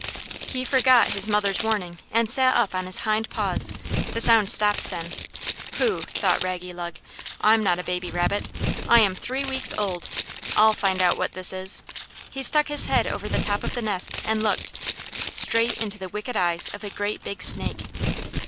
He forgot his mother's warning, and sat up on his hind paws; the sound stopped then. "Pooh," thought Raggylug, "I'm not a baby rabbit, I am three weeks old; I'll find out what this is." He stuck his head over the top of the nest, and looked straight into the wicked eyes of a great big snake.